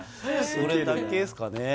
それだけですかね